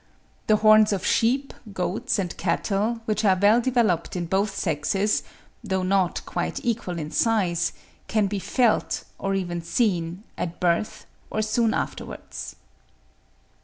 The horns of sheep, goats, and cattle, which are well developed in both sexes, though not quite equal in size, can be felt, or even seen, at birth or soon afterwards.